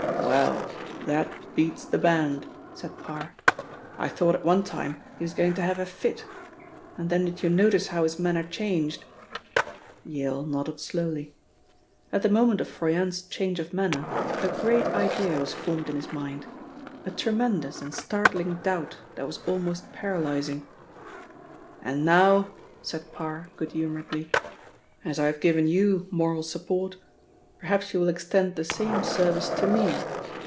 "Well, that beats the band," said Parr. "I thought at one time he was going to have a fit, and then did you notice how his manner changed?" Yale nodded slowly. At the moment of Froyant's change of manner a great idea was formed in his mind, a tremendous and startling doubt that was almost paralysing. "And now," said Parr good humouredly, "as I have given you moral support, perhaps you will extend the same service to me.